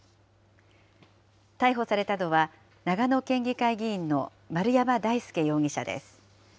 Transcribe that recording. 逮捕されたのは、長野県議会議員の丸山大輔容疑者です。